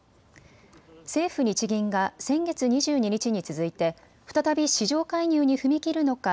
政府・日銀が先月２２日に続いて再び市場介入に踏み切るのか